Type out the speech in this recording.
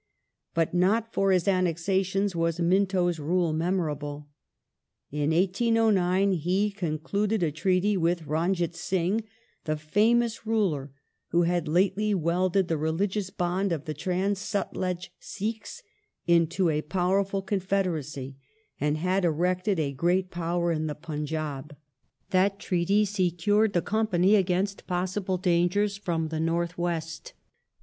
But not for his annexations was Minto's rule memorable. In 1809 he con cluded a treaty with Ranjit Singh, the famous ruler who had lately welded the religious bond of the trans Sutlej Sikhs into a powerful confederacy and had erected a great power in the Punjab. That Treaty secured the Company against possible dangers from the North West.